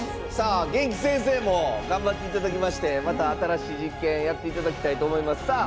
元気先生も頑張っていただきましてまた新しい実験やっていただきたいと思います。